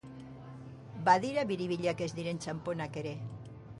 Badira biribilak ez diren txanponak ere.